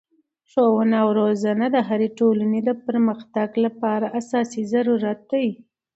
ښوونه او روزنه د هري ټولني د پرمختګ له پاره اساسي ضرورت دئ.